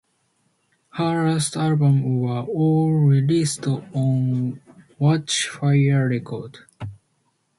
Her last albums were all released on Watchfire Records.